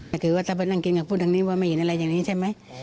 แต่ถือว่าถ้าไปนั่งกินกับพูดทางนี้ว่าไม่เห็นอะไรอย่างนี้ใช่ไหม